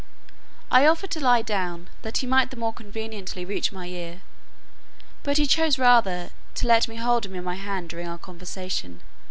I offered to lie down that he might the more conveniently reach my ear, but he chose rather to let me hold him in my hand during our conversation.